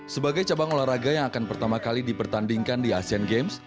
sebagai cabang olahraga yang akan pertama kali dipertandingkan di asean games